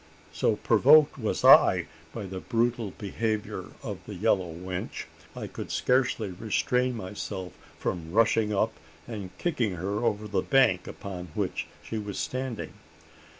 So provoked was I by the brutal behaviour of the yellow wench, I could scarcely restrain myself from rushing up, and kicking her over the bank upon which she was standing.